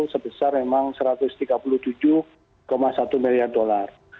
sebesar memang satu ratus tiga puluh tujuh satu miliar dolar